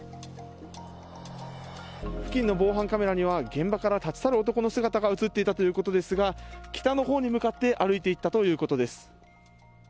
付近の防犯カメラには、現場から立ち去る男の姿が写っていたということですが、北のほうに向かって歩いていったということです。